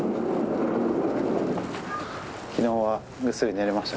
昨日はぐっすり寝れましたか？